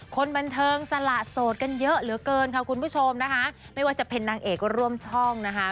คนบันเทิงสละโสดกันเยอะเหลือเกินค่ะคุณผู้ชมนะคะไม่ว่าจะเป็นนางเอกร่วมช่องนะคะ